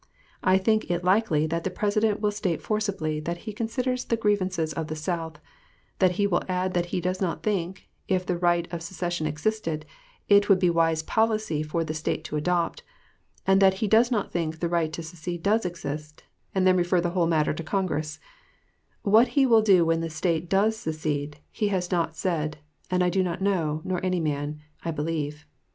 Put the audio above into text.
I think it likely that the President will state forcibly what he considers the grievances of the South, that he will add that he does not think, if the right of secession existed, it would be a wise policy for the State to adopt, and that he does not think the right to secede does exist, and then refer the whole matter to Congress; what he will do when the State does secede, he has not said, and I do not know, nor any man, I believe.